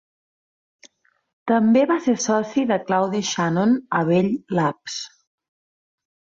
També va ser soci de Claude Shannon a Bell Labs.